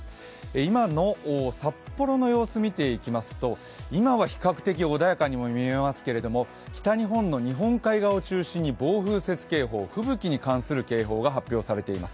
今の札幌の様子、見ていきますと、今は比較的穏やかにも見えますけれども、北日本の日本海側を中心に暴風雪警報、吹雪に関する警報が発表されています。